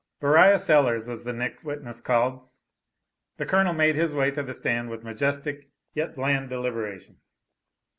Beriah Sellers was the next witness called. The Colonel made his way to the stand with majestic, yet bland deliberation.